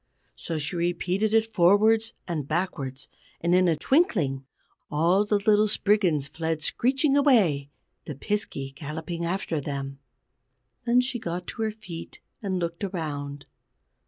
So she repeated it forwards and backwards, and in a twinkling all the little Spriggans fled screeching away, the Piskey galloping after them. Then she got on her feet and looked around.